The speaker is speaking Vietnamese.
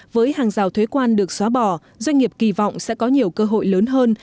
với hàng rào thuế quan được xóa bỏ doanh nghiệp kỳ vọng sẽ có nhiều cơ hội lớn hơn